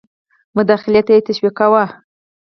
مداخلې ته یې تشویقاوه.